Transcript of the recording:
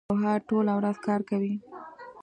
ګوهر ټوله ورځ کار کوي